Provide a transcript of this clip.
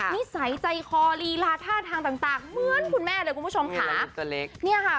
นิสัยใจคอลีลาท่าทางต่างต่างเหมือนคุณแม่เลยคุณผู้ชมค่ะ